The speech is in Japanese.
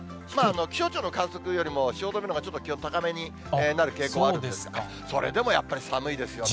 気象庁の観測よりも汐留のほうがちょっと気温高めになる傾向があるんですが、それでもやっぱり寒いですよね。